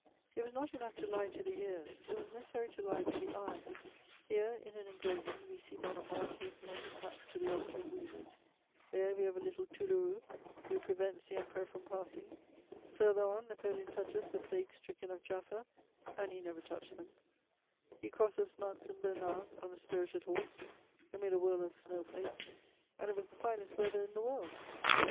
It was not enough to lie to the ears, it was necessary to lie to the eyes: here, in an engraving, we see Bonaparte taking off his hat to the Austrian wounded; there, we have a little tourlourou who prevents the Emperor from passing; further on, Napoleon touches the plague stricken of Jaffa, and he never touched them; he crosses Mount St. Bernard on a spirited horse amid a whirl of snow flakes, and it was the finest weather in the world.